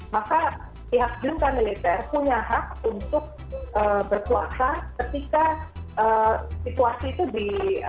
maka pihak junta militer punya hak untuk berkuasa ketika situasi itu di